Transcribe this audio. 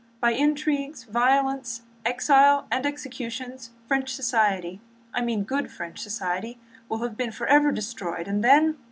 By intrigues, violence, exile, and executions, French society—I mean good French society—will have been forever destroyed, and then...."